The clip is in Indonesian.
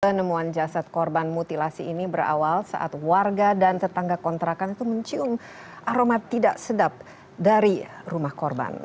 penemuan jasad korban mutilasi ini berawal saat warga dan tetangga kontrakan itu mencium aroma tidak sedap dari rumah korban